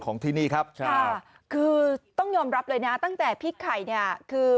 ที่นี่ครับใช่ค่ะคือต้องยอมรับเลยนะตั้งแต่พี่ไข่เนี่ยคือ